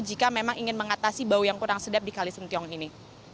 jika memang ingin mengatasi bau yang kurang sedap di kalisentiong ini